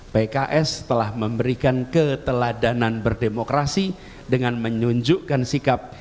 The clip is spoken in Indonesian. pks telah memberikan keteladanan berdemokrasi dengan menunjukkan sikap